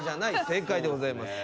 正解でございます。